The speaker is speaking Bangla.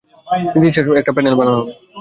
নীতিশাস্ত্র-সম্বন্ধীয় একটা প্যানেল বানানো হবে।